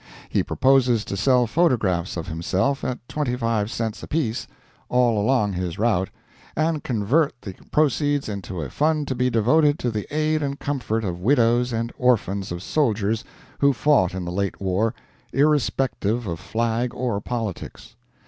He proposes to sell photographs of himself at 25 cents apiece, all along his route, and convert the proceeds into a fund to be devoted to the aid and comfort of widows and orphans of soldiers who fought in the late war, irrespective of flag or politics.